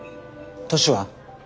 年は？